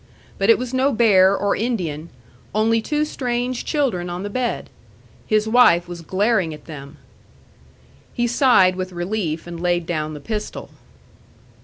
But it was no bear or Indian only two strange children on the bed. His wife was glaring at them. He sighed with relief and laid down the pistol.